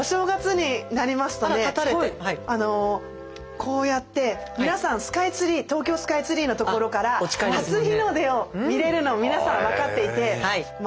こうやって皆さんスカイツリー東京スカイツリーのところから初日の出を見れるの皆さん分かっていてまあ